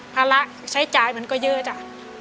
ภาระใช้จ่ายมันก็เยอะจ้ะ